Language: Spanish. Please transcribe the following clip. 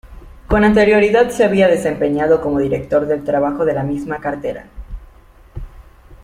Con anterioridad se había desempeñado como director del Trabajo de la misma cartera.